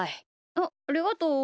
あっありがとう。